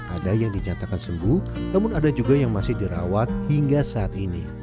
ada yang dinyatakan sembuh namun ada juga yang masih dirawat hingga saat ini